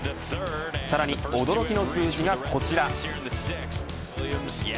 さらに、驚きの数字がこちら。